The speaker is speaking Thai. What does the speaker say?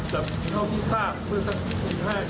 นะครับเสียไปเจ้าชีวิตถ้าเกียร์น่าจะ๓คนครับ